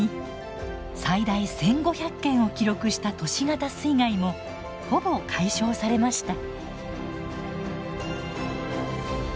最大１，５００件を記録した都市型水害もほぼ解消されました。